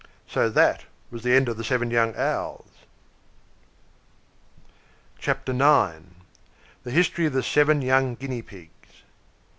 So that was the end of the seven young Owls. CHAPTER IX. THE HISTORY OF THE SEVEN YOUNG GUINEA PIGS.